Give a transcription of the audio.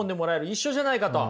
一緒じゃないかと。